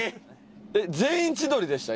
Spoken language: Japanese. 全員千鳥でした？